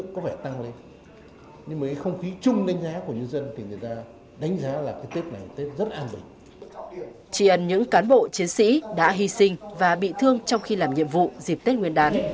chỉ ẩn những cán bộ chiến sĩ đã hy sinh và bị thương trong khi làm nhiệm vụ dịp tết nguyên đán